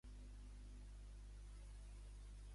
Fou prevere d'Oaxaca, on morí.